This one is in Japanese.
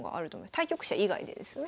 対局者以外でですね。